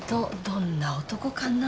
どんな男かな？